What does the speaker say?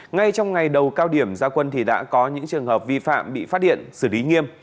ngay trong ngày đầu cao điểm gia quân đã có những trường hợp vi phạm bị phát hiện xử lý nghiêm